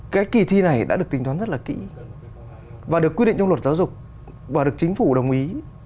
cái kỳ thi này đã được tính toán rất là kỹ và được quy định trong luật giáo dục và được chính phủ đồng ý